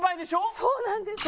そうなんです。